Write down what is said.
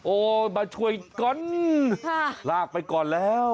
มาช่วยก่อนลากไปก่อนแล้ว